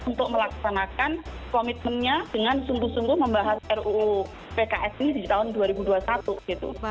untuk melaksanakan komitmennya dengan sungguh sungguh membahas ruu pks ini di tahun dua ribu dua puluh satu gitu